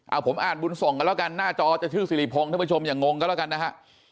เอาผมอ่านบุญส่งกันแล้วกันหน้าจอจะชื่อสิริพงศ์ท่านผู้ชมอย่างงงกันแล้วกันนะฮะ